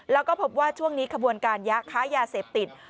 แล้วก็พบว่าช่วงนี้ขบวนการยะค้ายาเสพติด